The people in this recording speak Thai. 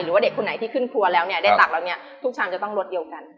หรือเด็กที่ขึ้นตัวแล้วเนี่ยทุกชามจะต้องลดเดียวกัน